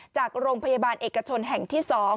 จากโรงพยาบาลเอกชนแห่งที่๒